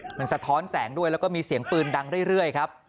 สะท้อนแสงด้วยแล้วก็มีเสียงปืนดังเรื่อยครับ